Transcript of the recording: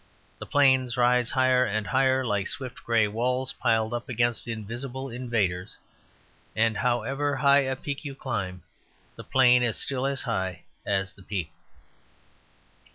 The plains rise higher and higher like swift grey walls piled up against invisible invaders. And however high a peak you climb, the plain is still as high as the peak.